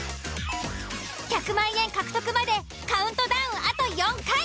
１００万円獲得までカウントダウンあと４回。